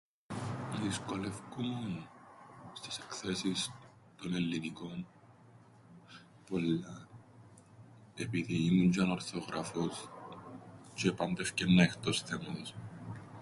Εδυσκολεύκουμουν στες εκθέσεις των ελληνικών πολλά, επειδή ήμουν τζ̆ι ανορθόγραφος τζ̆αι πάντα έφκαιννα εχτός θέματος.